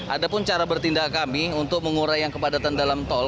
ada pun cara bertindak kami untuk mengurai yang kepadatan dalam tol